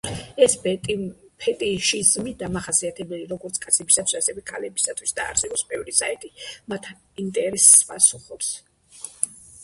ეს ფეტიშიზმი დამახასიათებელია როგორც კაცებისთვის, ასევე ქალებისთვის და არსებობს ბევრი საიტი მათ ინტერესს პასუხობს.